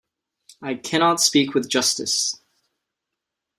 I cannot speak with justice.